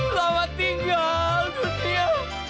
selamat tinggal setia